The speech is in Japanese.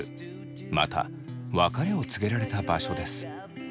また別れを告げられた場所です。